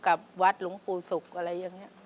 กับวัดหลวงปู่ศุกร์อะไรอย่างนี้